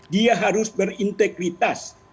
dia harus berintegritas